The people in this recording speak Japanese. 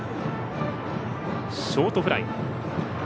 ショートフライ。